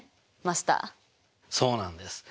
そうなんです。